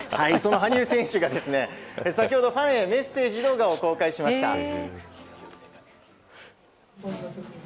羽生選手が先ほどファンへメッセージ動画を公開しました。